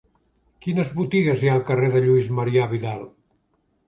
Quines botigues hi ha al carrer de Lluís Marià Vidal?